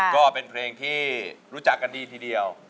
ก็เป็นเพลงที่รู้จักกันดีทีเดียว